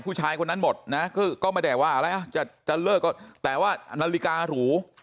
ผู้ชายคนนั้นหมดนะคือก็ไม่ได้ว่าอะไรจะเลิกก็แต่ว่านาฬิการู